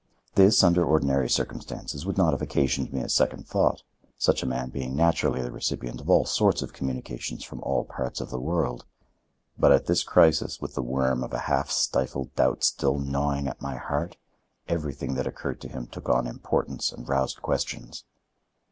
This, under ordinary circumstances, would not have occasioned me a second thought, such a man being naturally the recipient of all sorts of communications from all parts of the world; but at this crisis, with the worm of a half stifled doubt still gnawing at my heart, everything that occurred to him took on importance and roused questions.